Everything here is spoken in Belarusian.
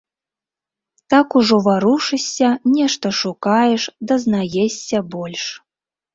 Так ужо варушышся, нешта шукаеш, дазнаешся больш.